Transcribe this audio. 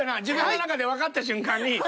自分の中でわかった瞬間に。